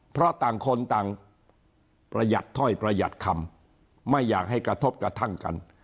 เพราะต่างคนต่างประหยัดถ้อยประหยัดคำไม่อยากให้กระทบกระทั่งกัน